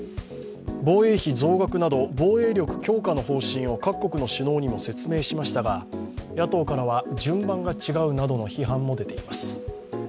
防衛費増額など防衛力強化の方針を各国の首脳にも説明しましたが野党からは、順番が違うなどの批判も出ています。